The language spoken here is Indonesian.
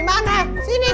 terima kasih man